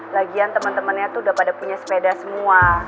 lagian temen temennya tuh udah pada punya sepeda semua